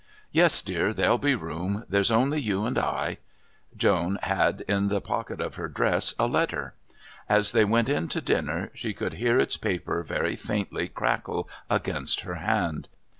"Yes, dear. There'll be room. There's only you and I " Joan had in the pocket of her dress a letter. As they went in to dinner she could hear its paper very faintly crackle against her hand.